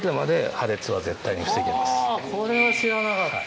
はぁこれは知らなかった！